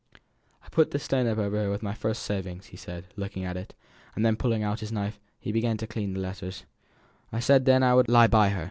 "I put this stone up over her with my first savings," said he, looking at it; and then, pulling out his knife, he began to clean out the letters. "I said then as I would lie by her.